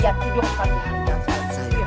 saya tidur saat ini hari ini